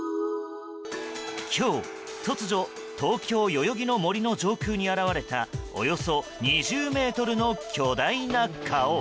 今日、突如東京・代々木の森の上空に現れたおよそ２０ｍの巨大な顔。